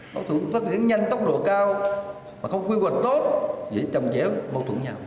phát triển nhanh tốc độ cao mà không quy hoạch tốt để trồng chéo mâu thuẫn nhau